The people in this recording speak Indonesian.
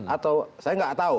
atau saya nggak tahu